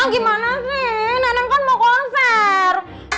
gimana sih neneng kan mau konser